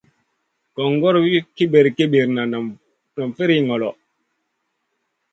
Gongor vih kipir-kipira, nam firiy ŋolo.